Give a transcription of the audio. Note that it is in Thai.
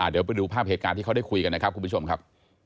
เดี๋ยวไปดูภาพเหตุการณ์ที่เขาได้คุยกันนะครับคุณผู้ชมครับ